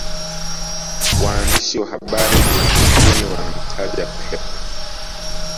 Waandishi wa habari ulimwenguni wanamtaja Pep